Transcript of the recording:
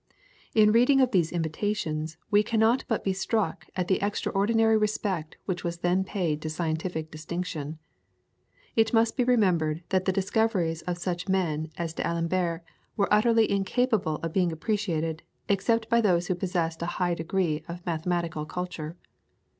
In reading of these invitations we cannot but be struck at the extraordinary respect which was then paid to scientific distinction. It must be remembered that the discoveries of such a man as D'Alembert were utterly incapable of being appreciated except by those who possessed a high degree of mathematical culture.